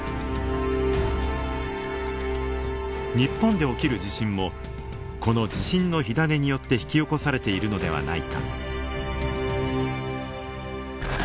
日本で起きる地震もこの地震の火種によって引き起こされているのではないか。